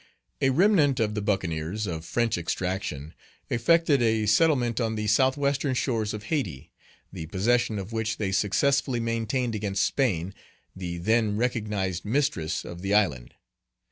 A remnant of the buccaneers, of French extraction, effected a settlement on the southwestern shores of Hayti, the possession of which they successfully maintained against Spain, the then recognized mistress of the island.